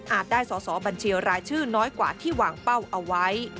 ได้สอสอบัญชีรายชื่อน้อยกว่าที่วางเป้าเอาไว้